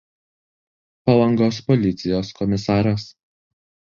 Palangos policijos komisaras.